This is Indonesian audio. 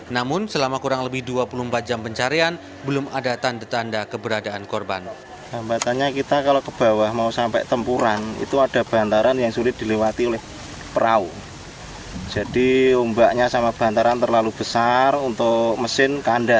namun selama kurang lebih dua puluh empat jam pencarian belum ada tanda tanda keberadaan korban